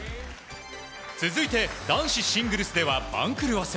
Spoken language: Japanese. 続いて男子シングルスでは番狂わせ。